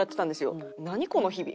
何この日々？